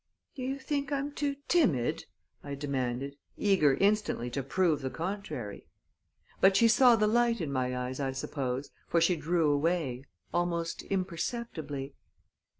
"Do you think I'm too timid?" I demanded, eager instantly to prove the contrary. But she saw the light in my eyes, I suppose, for she drew away, almost imperceptibly.